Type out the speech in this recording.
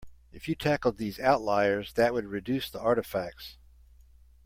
If you tackled these outliers that would reduce the artifacts.